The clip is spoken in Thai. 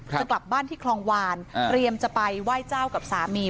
จะกลับบ้านที่คลองวานเตรียมจะไปไหว้เจ้ากับสามี